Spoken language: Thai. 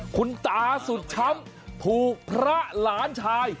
คุณตาสุดช้ำถูกพระหลานชาย